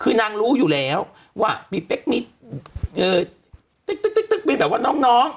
คืนนางรู้อยู่แล้วว่าเป๊กมีเออแบบว่าน้องน้อง